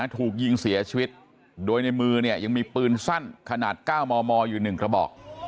ถูกยิงเสียชีวิตโดยในมือเนี่ยยังมีปืนสั้นขนาด๙มมอยู่๑กระบอก